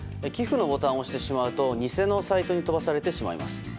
寄付のボタンを押してしまうと偽のサイトに飛ばされてしまいます。